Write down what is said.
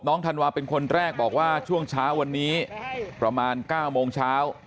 ธันวาเป็นคนแรกบอกว่าช่วงเช้าวันนี้ประมาณ๙โมงเช้า